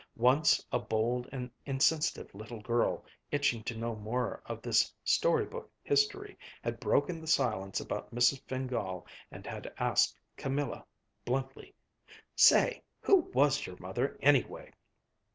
Once a bold and insensitive little girl, itching to know more of this story book history, had broken the silence about Mrs. Fingál and had asked Camilla bluntly, "Say, who was your mother, anyway?"